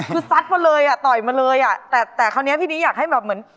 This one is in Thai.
คือซัดมาเลยอ่ะต่อยมาเลยอ่ะแต่แต่คราวนี้พี่นี้อยากให้แบบเหมือน